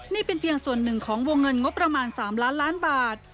นี่เป็นเพียงส่วนหนึ่งของวงเงินงบประมาณ๓ล้านล้านบาท